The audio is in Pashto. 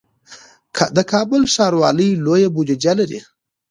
د کابل ښاروالي لویه بودیجه لري